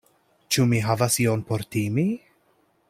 Ĉu mi havas ion por timi?